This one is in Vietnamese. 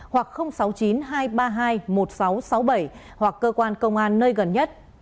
hoặc sáu mươi chín hai trăm ba mươi hai một nghìn sáu trăm sáu mươi bảy hoặc cơ quan công an nơi gần nhất